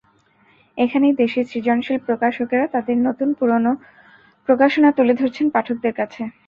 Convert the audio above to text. এখানেই দেশের সৃজনশীল প্রকাশকেরা তাঁদের নতুন-পুরোনো প্রকাশনা তুলে ধরেছেন পাঠকদের কাছে।